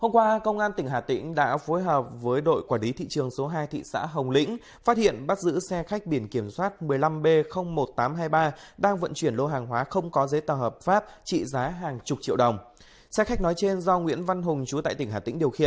các bạn hãy đăng ký kênh để ủng hộ kênh của chúng mình nhé